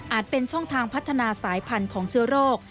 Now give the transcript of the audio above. เป็นช่องทางพัฒนาสายพันธุ์ของเชื้อโรค